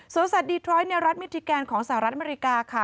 สัตวดีทรอยด์ในรัฐมิทิแกนของสหรัฐอเมริกาค่ะ